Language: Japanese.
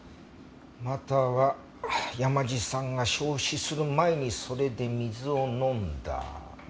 または山路さんが焼死する前にそれで水を飲んだ。